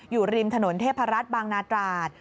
อยู่ริมถนนเทพรัฐบางนาตราด